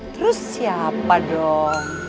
terus siapa dong